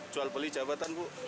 jual beli jabatan bu